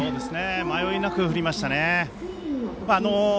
迷いなく振りましたね。